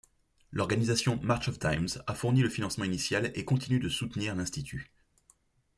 L'organisation March of Dimes a fourni le financement initial et continue de soutenir l'institut.